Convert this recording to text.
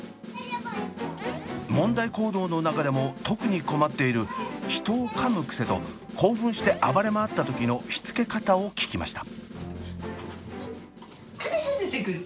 問題行動の中でも特に困っている人をかむ癖と興奮して暴れ回った時のしつけ方を聞きました。